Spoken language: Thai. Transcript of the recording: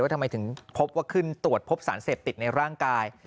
ทำไมถึงพบว่าขึ้นตรวจพบสารเสพติดในร่างกาย